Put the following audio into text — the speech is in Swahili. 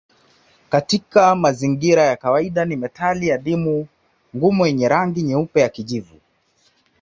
Katika mazingira ya kawaida ni metali adimu ngumu yenye rangi nyeupe ya kijivu.